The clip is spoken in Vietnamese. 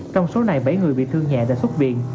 trong số này bảy người bị thương nhẹ đã xuất viện